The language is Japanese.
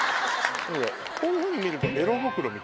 こういうふうに見れば。